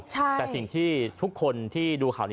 แต่สิ่งที่ทุกคนที่ดูข่าวนี้